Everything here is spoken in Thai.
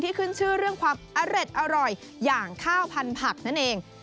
ที่ขึ้นชื่อเรื่องความอเล็ดอร่อยอย่างข้าวพันผักนั่นเอง